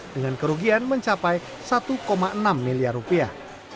dengan kerugian mencapai satu enam miliar rupiah